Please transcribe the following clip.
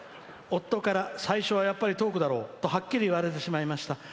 夫から、最初はやっぱりトークだろとはっきり言われてしまいました。